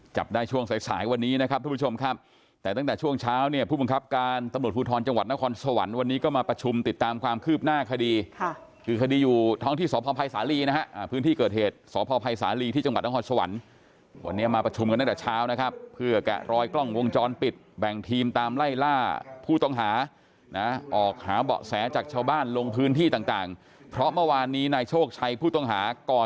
จับได้ช่วงสายสายวันนี้นะครับทุกผู้ชมครับแต่ตั้งแต่ช่วงเช้าเนี่ยผู้บังคับการตำรวจภูทรจังหวัดนครสวรรค์วันนี้ก็มาประชุมติดตามความคืบหน้าคดีค่ะคือคดีอยู่ท้องที่สวพพายสาลีนะฮะอ่าพื้นที่เกิดเหตุสวพพายสาลีที่จังหวัดนครสวรรค์วันนี้มาประชุมกันตั้งแต่เช้านะครับเพื่อแกะรอยกล